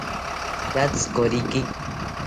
Tekatzi koriki